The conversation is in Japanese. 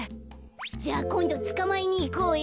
じゃあこんどつかまえにいこうよ。